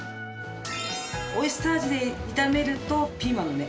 オイスター味で炒めるとピーマンのね